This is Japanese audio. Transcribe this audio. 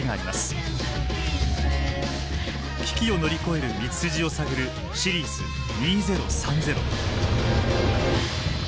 危機を乗り越える道筋を探る「シリーズ２０３０」。